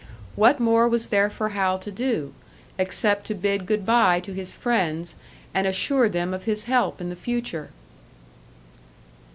What more was there for Hal to do except to bid good bye to his friends, and assure them of his help in the future?